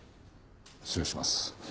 失礼します。